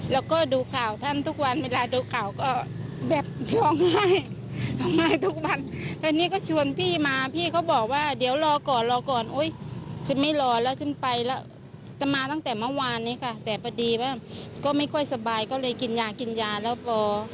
แล้วก็ดูข่าวท่านทุกวันเวลาดูข่าวก็แบบ